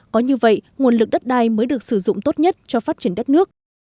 có như vậy nguồn lực đất đai mới được sử dụng tốt nhất cho phát triển đất nước